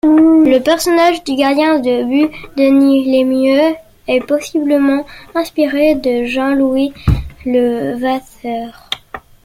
Le personnage du gardien de but, Denis Lemieux, est possiblement inspiré de Jean-Louis Levasseur.